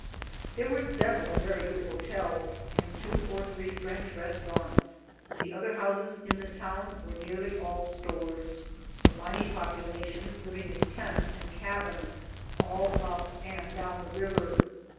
There were several very good hotels, and two or three French restaurants; the other houses in the town were nearly all stores, the mining population living in tents and cabins, all up and down the river.